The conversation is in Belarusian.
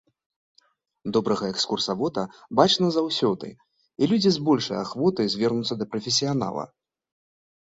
Добрага экскурсавода бачна заўсёды, і людзі з большай ахвотай звернуцца да прафесіянала.